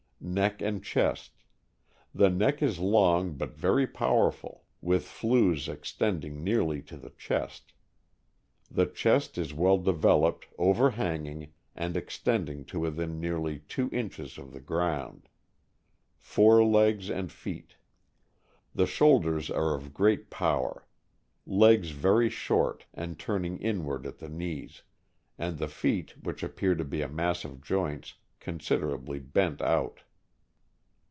Neck and chest. — The neck is long, but very powerful, with flews extending nearly to the chest. The chest is well developed, overhanging, and extending to within nearly two inches of the ground Forelegs and feet. — The shoulders are of great power. Legs very short, and turning inward at the knees; and the feet, which appear to be a mass of joints, considerably bent out.